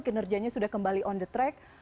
kinerjanya sudah kembali on the track